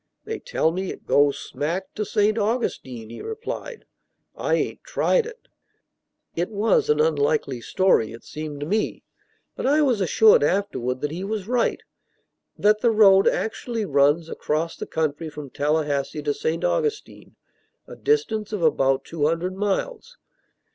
"They tell me it goes smack to St. Augustine," he replied; "I ain't tried it." It was an unlikely story, it seemed to me, but I was assured afterward that he was right; that the road actually runs across the country from Tallahassee to St. Augustine, a distance of about two hundred miles.